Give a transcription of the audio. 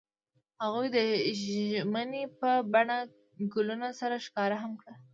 هغوی د ژمنې په بڼه ګلونه سره ښکاره هم کړه.